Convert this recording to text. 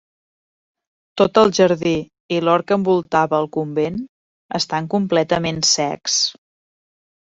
Tot el jardí i l'hort que envoltava el convent estan completament secs.